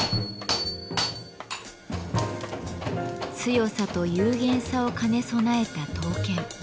強さと幽玄さを兼ね備えた刀剣。